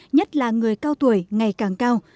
nhất là người cao tuổi ngày càng cao